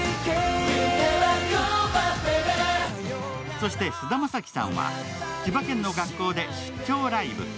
そして菅田将暉さんは、千葉県の学校で出張ライブ。